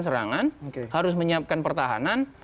serangan harus menyiapkan pertahanan